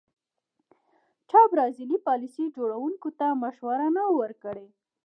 چا برازیلي پالیسي جوړوونکو ته مشوره نه وه ورکړې.